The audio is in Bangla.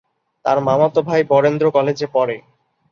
তার মামাতো ভাই বরেন্দ্র কলেজে পড়ে।